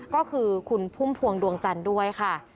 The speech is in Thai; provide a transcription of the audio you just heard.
ก็คือคุณพุ่มพวงดวงจันทร์ด้วยค่ะ